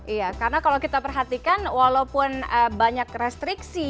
iya karena kalau kita perhatikan walaupun banyak restriksi